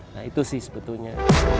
nah itu sih sebetulnya